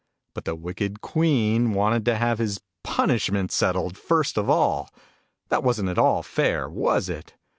But the wicked Queen wanted to have his punishment settled, first of all. That wasn't at all fair, was it